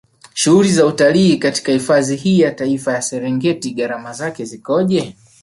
Shughuli za utalii katika hifadhi hii ya Taifa ya Serengeti Gharama zake zikoje